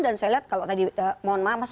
dan saya lihat kalau tadi mohon maaf mas